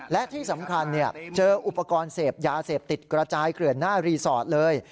และที่สำคัญเจออุปกรณ์เสพยาเสพติดกระจายเกลื่อนหน้ารีสอร์ทเลย